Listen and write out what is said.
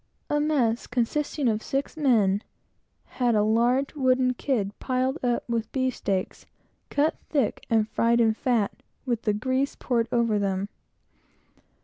A mess, consisting of six men, had a large wooden kid piled up with beefsteaks, cut thick, and fried in fat, with the grease poured over them.